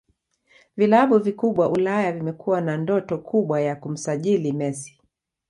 Vilabu vikubwa Ulaya vimekuwa na ndoto kubwa ya kumsajili Messi